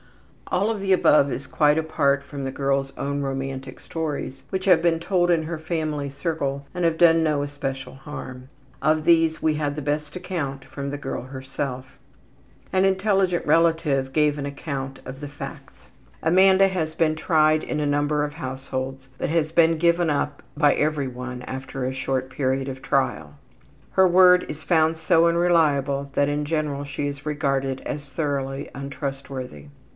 All of the above is quite apart from the girl's own romantic stories which have been told in her family circle and have done no especial harm. Of these we had the best account from the girl herself. An intelligent relative gave an account of the facts. Amanda has been tried in a number of households, but has been given up by everyone after a short period of trial. Her word is found so unreliable that in general she is regarded as thoroughly untrustworthy.